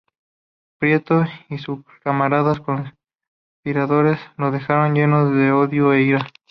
Pietro y sus camaradas conspiradores le dejan, llenos de odio e ira.